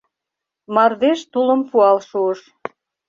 Мардеж тулым пуал шуыш.